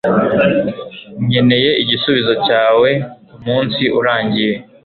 nkeneye igisubizo cyawe umunsi urangiye